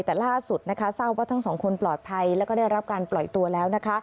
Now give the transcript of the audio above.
แต่ล่าสุดเศร้าว่าทั้งสองคนปลอดภัยและได้รับการปล่อยตัวแล้ว